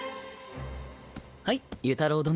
はい由太郎殿。